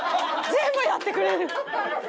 全部やってくれた！